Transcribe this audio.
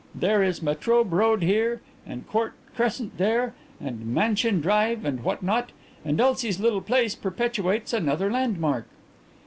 There is Metrobe Road here, and Court Crescent there, and Mansion Drive and what not, and Elsie's little place perpetuates another landmark."